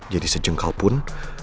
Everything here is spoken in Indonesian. jadi sejengkal pun